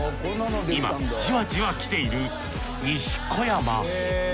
今じわじわきている西小山。